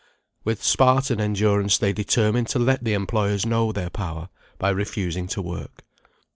With Spartan endurance they determined to let the employers know their power, by refusing to work.